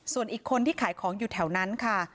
ส่วนอีกคนที่ขายของอยู่แถวนั้นค่ะ